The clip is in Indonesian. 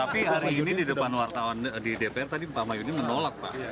tapi hari ini di depan wartawan di dpr tadi pak mahyudin menolak pak